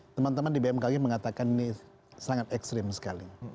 teman teman di bmkg mengatakan ini sangat ekstrim sekali